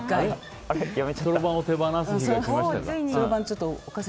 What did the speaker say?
そろばんを手放す日が来ましたか。